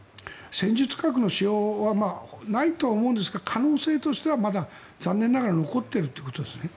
戦術核の使用はないと思いますが可能性としては、まだ残念ながら残っているということですね。